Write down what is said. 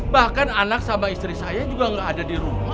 bahkan anak sama istri saya juga nggak ada di rumah